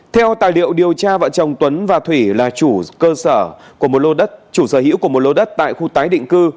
theo tài liệu điều tra vợ chồng tuấn và thủy là chủ sở hữu của một lô đất tại khu tái định cư